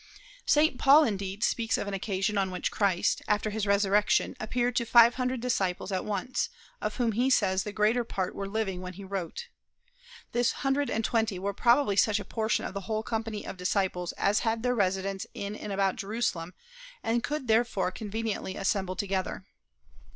St. Paul indeed speaks of an occasion on which Christ, after his resurrection, appeared to five hundred disciples at once, of whom he says the greater part were living when he wrote. This hundred and twenty were probably such a portion of the whole company of disciples as had their residence in and about Jerusalem, and could therefore conveniently assemble together.